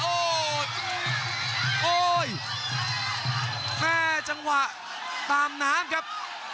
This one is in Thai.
โอ้โหแม่จังหวะตามน้ำครับ